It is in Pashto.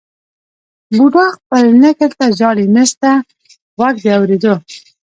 بوډا خپل نکل ته ژاړي نسته غوږ د اورېدلو